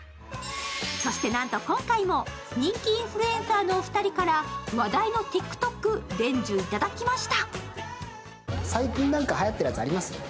そして、なんと今回も人気インフルエンサーのお二人から話題のＴｉｋＴｏｋ、伝授いただきました最近、何かはやってるやつあります？